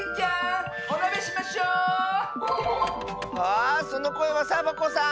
あそのこえはサボ子さん！